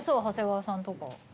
長谷川さんとか。